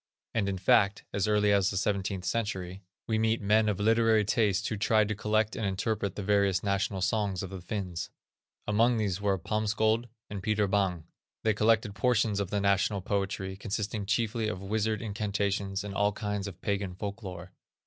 And, in fact, as early as the seventeenth century, we meet men of literary tastes who tried to collect and interpret the various national songs of the Finns. Among these were Palmsköld and Peter Bäng. They collected portions of the national poetry, consisting chiefly of wizard incantations, and all kinds of pagan folk lore.